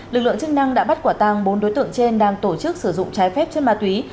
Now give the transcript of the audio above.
lực lượng chức năng đã bắt quả tàng bốn đối tượng trên đang tổ chức sử dụng trái phép chất ma túy